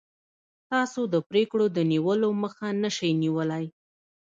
تاسو د پرېکړو د نیولو مخه نشئ نیولی.